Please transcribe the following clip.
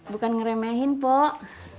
bukan ngeremehin pok